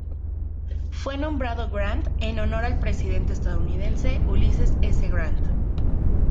Fue nombrado Grant en honor al presidente estadounidense Ulysses S. Grant.